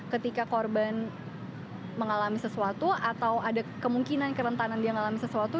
ketika korban mengalami sesuatu atau ada kemungkinan kerentanan dia mengalami sesuatu